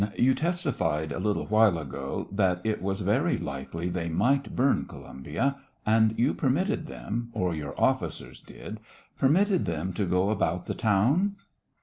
You testified, a little while ago, that it was very likely they might burn Columbia, and you permitted them, or your officers did^permitted them to go about the town